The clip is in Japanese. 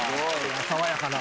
爽やかな。